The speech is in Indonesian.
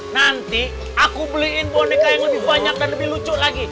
nanti aku beliin boneka yang lebih banyak dan lebih lucu lagi